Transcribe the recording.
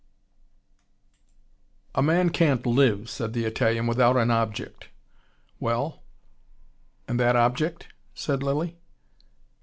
"A man can't live," said the Italian, "without an object." "Well and that object?" said Lilly.